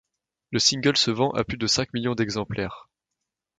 Le single se vend a plus de cinq millions d'exemplaires.